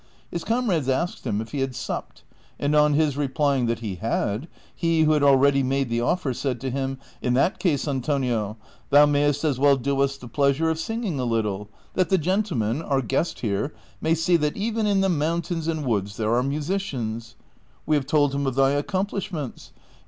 His comrades asked him if he had supped, and on his replying that he had, he who had already made the offer said to him, " In that case, Antonio, thou mayest as well do us the pleasure of singing a little, that the gentleman, our guest here, may see that even in the mountains and woods there are musicians : we have told him of thy accomplishments, and we ' In the Spanish, rabel^ a small three stringed lute of Moorish origin.